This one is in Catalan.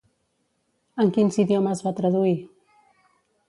En quins idiomes va traduir?